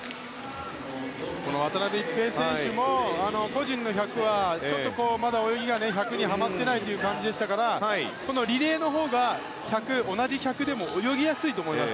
この渡辺一平選手も個人の１００は、ちょっとまだ泳ぎがはまってない感じでしたからこのリレーのほうが同じ１００でも泳ぎやすいと思います。